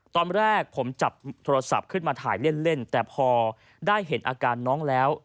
ตอนแรกผมจับโทรศัพท์ขึ้นมาถ่ายเล่นแต่พอได้เห็นอาการน้องแล้ว